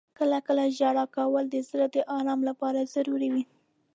• کله کله ژړا کول د زړه د آرام لپاره ضروري وي.